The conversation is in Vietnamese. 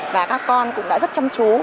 và các con cũng đã rất chăm chú